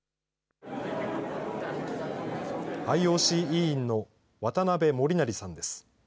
ＩＯＣ委員の渡辺守成さんです。